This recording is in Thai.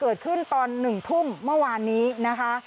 เกิดขึ้นตอน๑ทุ่มเมื่อวานนี้นะคะ